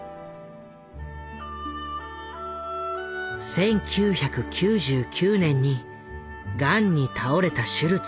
１９９９年にがんに倒れたシュルツ。